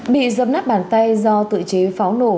bị dập nát bàn tay do tự chế pháo nổ